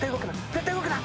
絶対動くな。